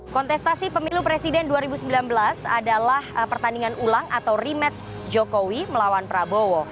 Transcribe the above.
kontestasi pemilu presiden dua ribu sembilan belas adalah pertandingan ulang atau rematch jokowi melawan prabowo